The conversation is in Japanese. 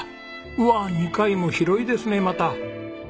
うわ２階も広いですねまた。